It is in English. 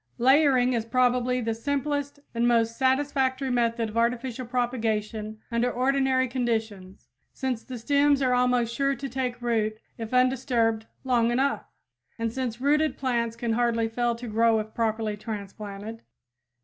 Layering is probably the simplest and most satisfactory method of artificial propagation under ordinary conditions, since the stems are almost sure to take root if undisturbed long enough; and since rooted plants can hardly fail to grow if properly transplanted.